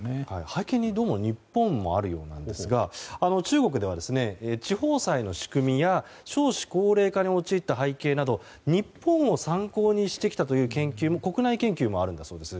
背景にどうも日本もあるようなんですが中国では地方債の仕組みや少子高齢化に陥った背景など日本を参考にしてきたという国内研究もあるんだそうです。